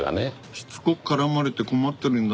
しつこく絡まれて困ってるんだ。